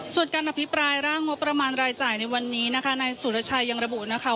ส่วนการอภิปรายร่างงบประมาณรายจ่ายในวันนี้นะคะนายสุรชัยยังระบุนะคะ